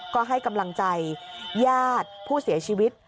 ก็ให้กำลังใจญาติผู้เสียชีวิต